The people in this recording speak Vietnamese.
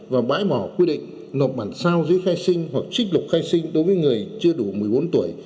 và bãi bỏ quy định nộp bản sao dưới khai sinh hoặc trích lục khai sinh đối với người chưa đủ một mươi bốn tuổi